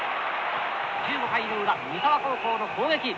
１５回の裏三沢高校の攻撃。